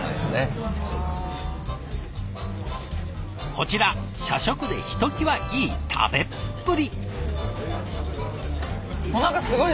こちら社食でひときわいい食べっぷり。